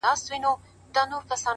خاموشه هڅه د راتلونکي بنسټ جوړوي؛